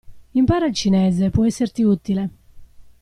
Impara il cinese, può esserti utile.